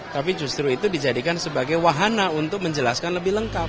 tapi justru itu dijadikan sebagai wahana untuk menjelaskan lebih lengkap